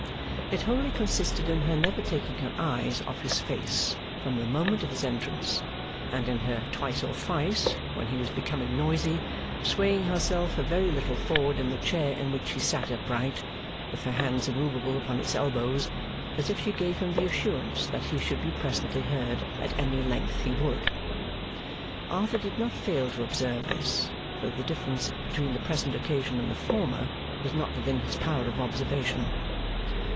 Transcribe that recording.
It wholly consisted in her never taking her eyes off his face from the moment of his entrance, and in her twice or thrice, when he was becoming noisy, swaying herself a very little forward in the chair in which she sat upright, with her hands immovable upon its elbows; as if she gave him the assurance that he should be presently heard at any length he would. Arthur did not fail to observe this; though the difference between the present occasion and the former was not within his power of observation.